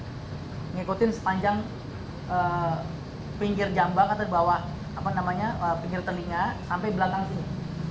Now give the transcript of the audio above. mengikuti sepanjang pinggir jambang atau di bawah pinggir telinga sampai belakang sini